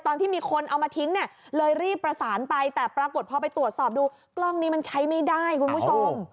ตอนที่มีคนเอามาทิ้งเนี่ยเลยรีบประสานไปแต่ปรากฏพอไปตรวจสอบดูกล้องนี้มันใช้ไม่ได้คุณผู้ชม